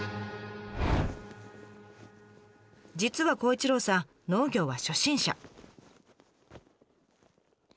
実は孝一郎さん農業は初心者。